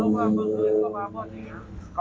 เมื่อคืนเขามาพ่อสิ่งมั้ย